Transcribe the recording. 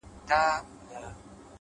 • د زمري د مشکلاتو سلاکار وو ,